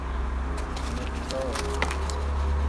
metroo